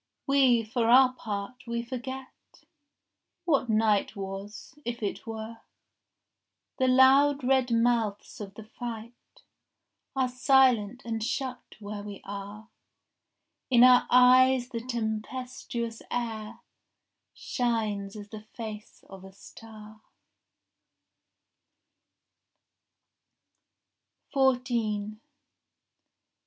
We, for our part, we forget What night was, if it were. The loud red mouths of the fight Are silent and shut where we are. In our eyes the tempestuous air Shines as the face of a star.